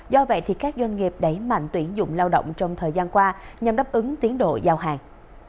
do vậy các doanh nghiệp đẩy mạnh tuyển dụng lao động trong thời gian qua nhằm đáp ứng tiến độ giao hàng